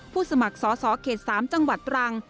สมัครสอสอเขต๓จังหวัดตรัง